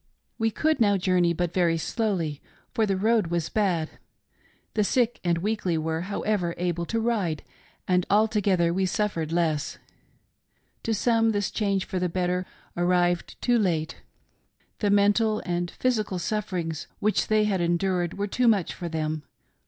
"We could now journey but very slowly, for the road was bad, the sick and weakly were, however, able to ride, and altogether we suffered less. To some this change for the better arrived too late — the mental and physical sufferings which they had endured were too much for them.